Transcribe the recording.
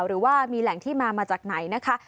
หรือว่ามีแหล่งที่มามาจากไหนนะคะ